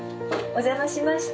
お邪魔しました。